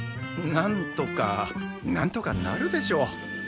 なんとかなんとかなるでしょう。